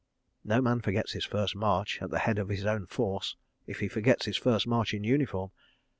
... No man forgets his first march at the head of his own force, if he forgets his first march in uniform.